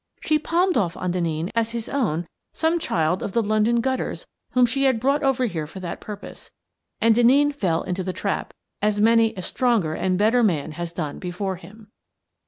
" She palmed off on Denneen as his own some child of the London gutters whom she had brought over here for that purpose. And Denneen fell into the trap, as many a stronger and better man has done before him.